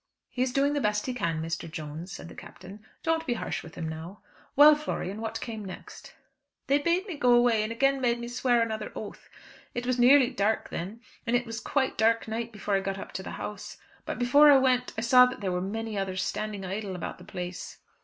"He is doing the best he can, Mr. Jones," said the Captain. "Don't be harsh with him now. Well, Florian, what came next?" "They bade me go away, and again made me swear another oath. It was nearly dark then, and it was quite dark night before I got up to the house. But before I went I saw that there were many others standing idle about the place."